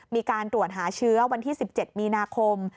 มีการตรวจหาเชื้อวันที่๑๗มีนาคม